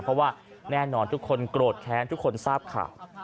เพราะว่าแน่นอนทุกคนโกรธแค้นทุกคนทราบข่าว